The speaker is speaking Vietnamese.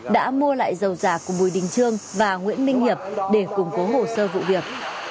đã mua lại dầu giả của bùi đình trương và nguyễn minh hiệp để củng cố hồ sơ vụ việc